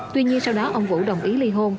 tuy nhiên sau đó ông vũ đồng ý ly hôn